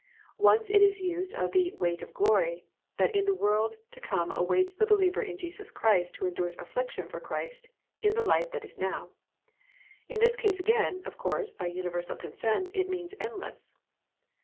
Once it is used of the "weight of glory" that in the world to come awaits the believer in Jesus Christ who endures affliction for Christ in the life that now is. In this case again, of course, by universal consent it means endless.